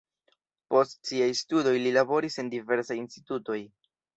Post siaj studoj li laboris en diversaj institutoj.